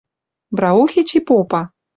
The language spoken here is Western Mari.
Браухич и попа: